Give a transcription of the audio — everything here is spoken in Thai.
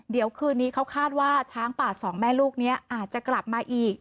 เดี๋ยวคืนนี้เขาคาดว่าช้างป่าสองแม่ลูกนี้อาจจะกลับมาอีก